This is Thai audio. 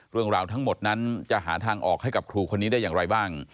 เรื่องราวทั้งหมดนั้นจะหาทางออกให้กับครูคนนี้ได้อย่างไรบ้าง